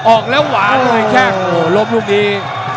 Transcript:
ออกแล้วหวานเลยแค่งโหลบลุงอี